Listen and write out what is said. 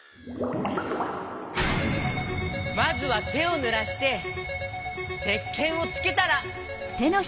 まずはてをぬらしてせっけんをつけたら。